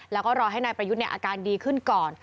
แล้วก็รอให้นายประยุทธ์อาการดีขึ้นก่อน